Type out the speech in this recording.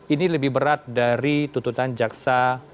ini lebih berat dari tuntutan jaksa